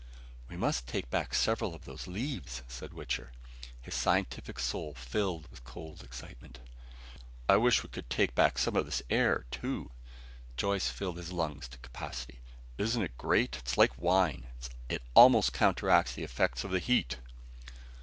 "We must take back several of those leaves," said Wichter, his scientific soul filled with cold excitement. "I wish we could take back some of this air, too." Joyce filled his lungs to capacity. "Isn't it great? Like wine! It almost counteracts the effects of the heat."